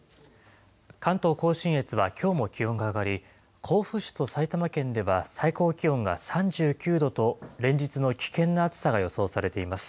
関東甲信越はきょうも気温が上がり、甲府市と埼玉県では最高気温が３９度と、連日の危険な暑さが予想されています。